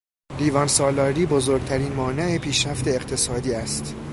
دیوانسالاری بزرگترین مانع پیشرفت اقتصادی است.